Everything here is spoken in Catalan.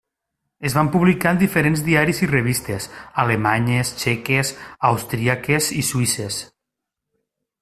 Es van publicar en diferents diaris i revistes alemanyes, txeques, austríaques i suïsses.